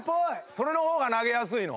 それの方が投げやすいの？